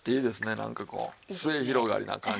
なんかこう末広がりな感じで。